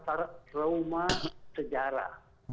karena ini adalah trauma sejarah